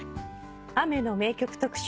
雨の名曲特集